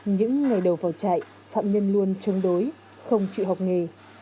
những ngày đầu vào trại phạm nhân luôn chống đối không chịu học nghề